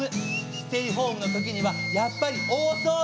ステイホームの時にはやっぱり大掃除！